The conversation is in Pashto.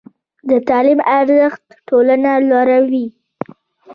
د تعلیم ارزښت ټولنه لوړوي.